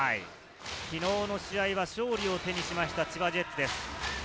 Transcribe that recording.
昨日の試合は勝利を手にしました、千葉ジェッツです。